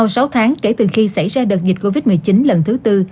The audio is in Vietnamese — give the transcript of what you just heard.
sau sáu tháng kể từ khi xảy ra đợt dịch covid một mươi chín lần thứ tư